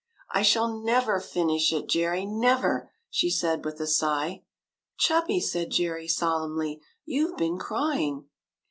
" I shall never finish it, Jerry, never !" she said with a sigh. " Chubby," said Jerry, solemnly, '' you Ve been crying."